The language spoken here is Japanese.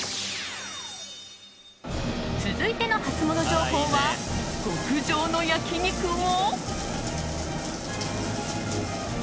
続いてのハツモノ情報は極上の焼き肉を。